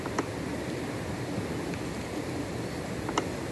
Su defunción recibió cobertura de medios de comunicación nacionales.